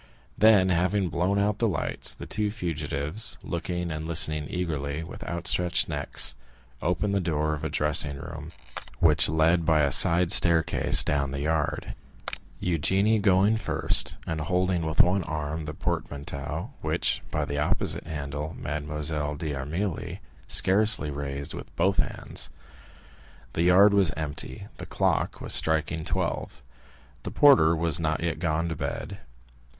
Then, having blown out the lights, the two fugitives, looking and listening eagerly, with outstretched necks, opened the door of a dressing room which led by a side staircase down to the yard,—Eugénie going first, and holding with one arm the portmanteau, which by the opposite handle Mademoiselle d'Armilly scarcely raised with both hands. The yard was empty; the clock was striking twelve. The porter was not yet gone to bed.